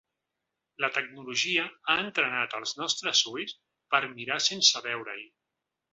La tecnologia ha entrenat els nostres ulls per mirar sense veure-hi.